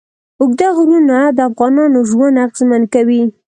اوږده غرونه د افغانانو ژوند اغېزمن کوي.